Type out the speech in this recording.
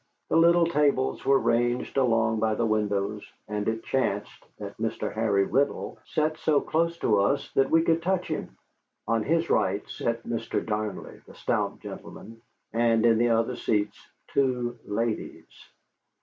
The little tables were ranged along by the windows, and it chanced that Mr. Harry Riddle sat so close to us that we could touch him. On his right sat Mr. Darnley, the stout gentleman, and in the other seats two ladies.